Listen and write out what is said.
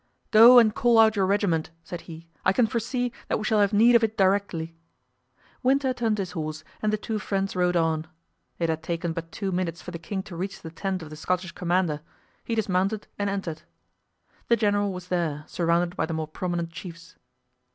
"Go and call out your regiment," said he; "I can foresee that we shall have need of it directly." Winter turned his horse and the two friends rode on. It had taken but two minutes for the king to reach the tent of the Scottish commander; he dismounted and entered. The general was there, surrounded by the more prominent chiefs.